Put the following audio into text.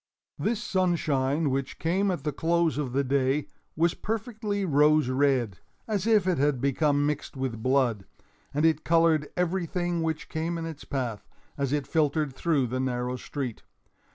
This sunshine, which came at the close of the day, was perfectly rose red—as if it had become mixed with blood—and it colored everything which came in its path, as it filtered through the narrow street.